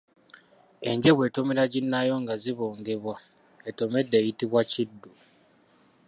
Enje bw’etomera ginnaayo nga zibongebwa, etomedde eyitibwa Kiddu.